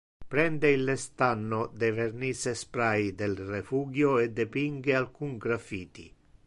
Prende ille stanno de vernisse spray del refugio e depinge alcun graffiti.